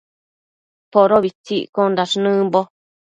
Podobitsi iccosh nëmbo